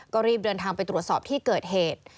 ก็รีบเดินทางไปตรวจสอบที่เกิดเหตุ